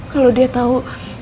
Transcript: kalau dia tau